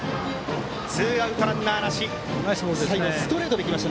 ツーアウト、ランナーなし。